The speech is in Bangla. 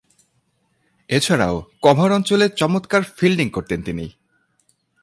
এছাড়াও, কভার অঞ্চলে চমৎকার ফিল্ডিং করতেন তিনি।